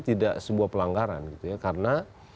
tidak sebuah pelanggaran gitu ya karena